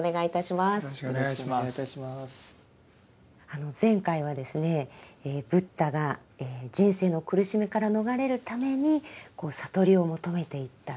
あの前回はですねブッダが人生の苦しみから逃れるために悟りを求めていった。